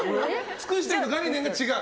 尽くしてる概念が違う？